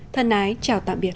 thân ái chào tạm biệt